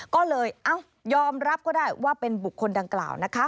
ก็เลยยอมรับก็ได้ว่าเป็นบุคคลดังกล่าวนะคะ